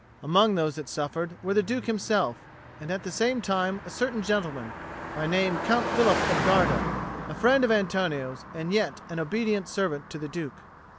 Among those that suffered were the Duke himself, and at the same time a certain gentleman, by name Count Philip of Garda, a friend of Antonio's, and yet an obedient servant to the Duke.